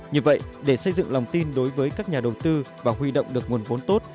như vậy để xây dựng lòng tin đối với các nhà đầu tư và huy động được nguồn vốn tốt